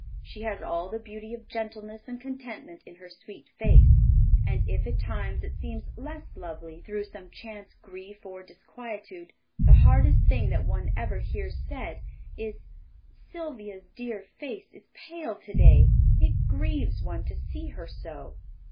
She has all the beauty of gentleness and contentment in her sweet face; and if at times it seems less lovely through some chance grief or disquietude, the hardest thing that one ever hears said is: 'Sylvia's dear face is pale to day. It grieves one to see her so.